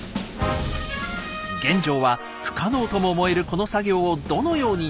玄奘は不可能とも思えるこの作業をどのように実現したのか。